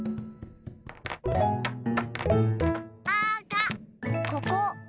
あかここ。